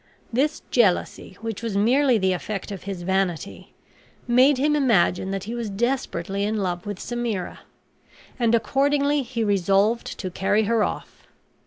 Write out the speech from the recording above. This jealousy, which was merely the effect of his vanity, made him imagine that he was desperately in love with Semira; and accordingly he resolved to carry her off.